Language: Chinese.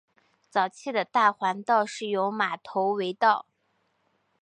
早期的大环道是由马头围道。